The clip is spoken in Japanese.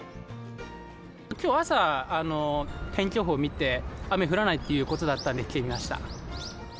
きょう朝、天気予報見て、雨降らないということだったので来てみました。